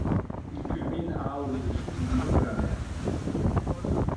Il culmine à au-dessus du niveau de la mer.